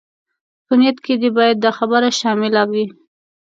په نيت کې دې بايد دا خبره شامله وي.